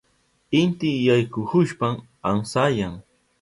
Inti yaykuhushpan amsayan.